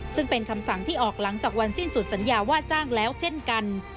ซึ่งเป็นคำสั่งที่ออกหลังจากวันสิ้นสุดสัญญาว่าจ้างแล้วเช่นกัน